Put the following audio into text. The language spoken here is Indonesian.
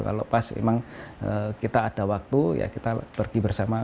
kalau pas memang kita ada waktu ya kita pergi bersama